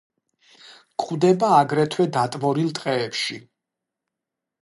გვხვდება აგრეთვე დატბორილ ტყეებში.